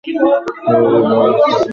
সেগুলি ভাবের স্বাভাবিক প্রকাশ মাত্র।